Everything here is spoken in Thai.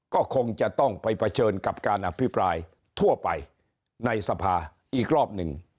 ก็คงจะต้องไปเผชิญกับการอภิปรายทั่วไปในสภาอีกรอบหนึ่ง